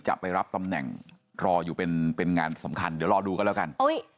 จะไปรับตำแหน่งรออยู่เป็นงานสำคัญเดี๋ยวรอดูกันแล้วกัน